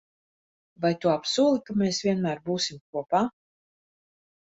Vai tu apsoli, ka mēs vienmēr būsim kopā?